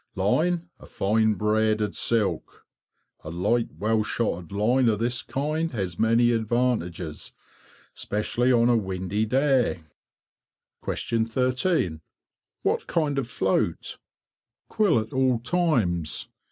Line, a fine braided silk. A light, well shotted line of this kind has many advantages, especially on a windy day. 13. What kind of float? Quill at all times.